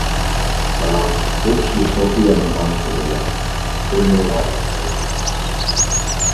بىراق، ئۇ كىشى سوفىيەنىڭ ئانىسى بىلەن ئۆمۈرۋايەت توي قىلمىغان.